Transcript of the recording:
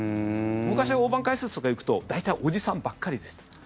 昔は大盤解説とか行くと大体、おじさんばっかりでした。